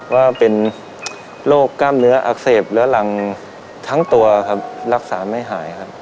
ว่าเป็นโรคกล้ามเนื้ออักเสบเหลือรังทั้งตัวครับรักษาไม่หายครับ